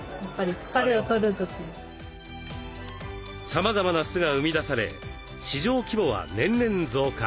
さまざまな酢が生み出され市場規模は年々増加。